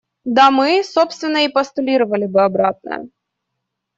Да мы, собственно, и постулировали бы обратное.